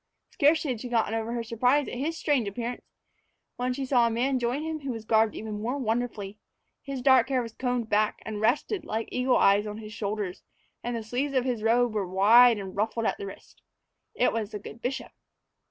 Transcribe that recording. Scarcely had she gotten over her surprise at his strange appearance, when she saw a man join him who was garbed even more wonderfully. His dark hair was combed back and rested, like Eagle Eye's, on his shoulders, and the sleeves of his robe were wide and ruffled at the wrist. It was the good bishop.